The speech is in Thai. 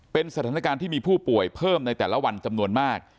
เป็นสถานการณ์ที่มีผู้ป่วยเพิ่มในแต่ละวันจำนวนมาก